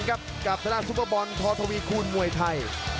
กับธนาซุปเปอร์บอลทอทวีคูณมวยไทย